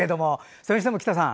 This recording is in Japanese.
それにしても、喜多さん